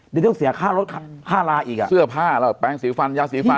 เดี๋ยวต้องเสียค่ารถค่าลาอีกอ่ะเสื้อผ้าแล้วแปลงสีฟันยาสีฟัน